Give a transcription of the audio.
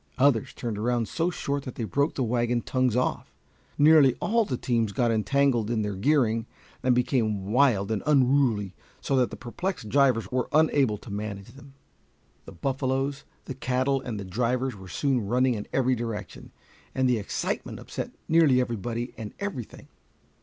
Others turned around so short that they broke the wagon tongues off. Nearly all the teams got entangled in their gearing, and became wild and unruly, so that the perplexed drivers were unable to manage them. The buffaloes, the cattle, and the drivers were soon running in every direction, and the excitement upset nearly everybody and everything.